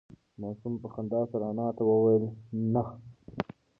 ماشوم په خندا سره انا ته وویل نه.